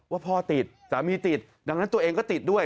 ว่าพ่อติดสามีติดดังนั้นตัวเองก็ติดด้วย